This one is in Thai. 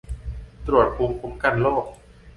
ตรวจภูมิคุ้มกันโรค